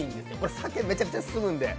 酒、めちゃくちゃ進むんで。